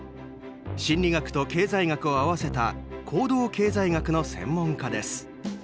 心理学と経済学を合わせた行動経済学の専門家です。